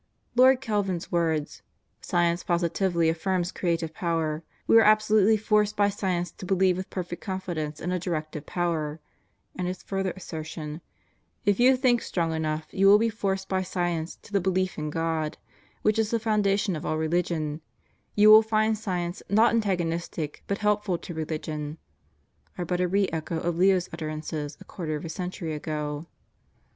Lord Kelvin's words, "Science positively affirms Creative Power ... we are absolutely forced by science to believe with per fect confidence in a Directive Power," and his further assertion, "If you think strong enough you will be forced by science to the belief in God, which is the foundation of all religion; you will find science not antagonistic but helpful to religion," are but a re echo of Leo's utterances a quarter of a century ago.